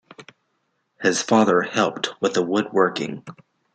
His father helped with the wood working.